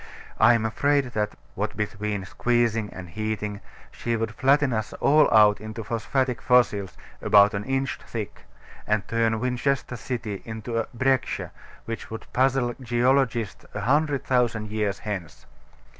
I am afraid that what between squeezing and heating she would flatten us all out into phosphatic fossils, about an inch thick; and turn Winchester city into a "breccia" which would puzzle geologists a hundred thousand years hence.